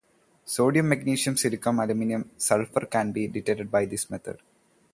Sodium, magnesium, silicon, aluminium and sulfur can be detected by this method.